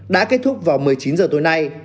đã kết thúc vào một mươi chín h tối nay